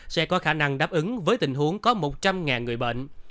sẽ có khả năng đáp ứng với tình huống có một trăm linh người bệnh